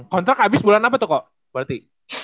kontrak habis bulan apa tuh koko berarti